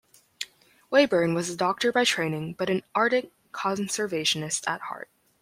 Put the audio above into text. Wayburn was a doctor by training but an ardent conservationist at heart.